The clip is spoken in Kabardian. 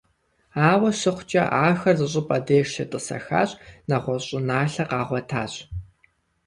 Ауэ щыхъукӀэ, ахэр зыщӀыпӀэ деж щетӀысэхащ, нэгъуэщӀ щӀыналъэ къагъуэтащ.